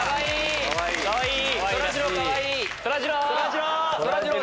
かわいい！